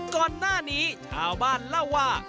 ก่อนหน้านี้ชาวบ้านเล่าว่า